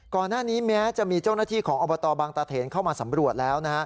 ก่อนหน้านี้แม้จะมีเจ้าหน้าที่ของอบตบางตาเถนเข้ามาสำรวจแล้ว